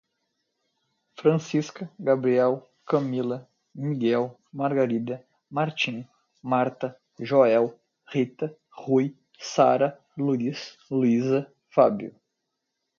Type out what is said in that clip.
Francisca, Gabriel, Camila, Miguel, Margarida, Martim, Marta, Joel, Rita, Rui, Sara, Luís, Luísa, Fábio